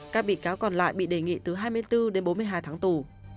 các bị cáo còn lại bị đề nghị từ hai mươi bốn đến bốn mươi hai tháng tù